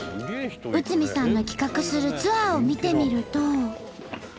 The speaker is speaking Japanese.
慈さんの企画するツアーを見てみると。